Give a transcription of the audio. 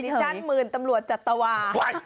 ฉันหมื่นตำรวจจัตวา